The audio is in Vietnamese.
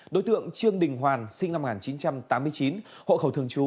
đối tượng trương đình hoàn sinh năm một nghìn chín trăm tám mươi chín hộ khẩu thường trú